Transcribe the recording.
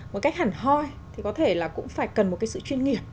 một cách hẳn hoi thì có thể là cũng phải cần một cái sự chuyên nghiệp